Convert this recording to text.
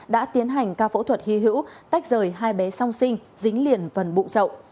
đã tiến hành ca phẫu thuật hy hữu tách rời hai bé song sinh dính liền vần bụng trậu